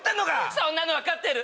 そんなの分かってる！